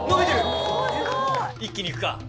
「一気にいくか」